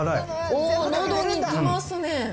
おー、のどに来ますね。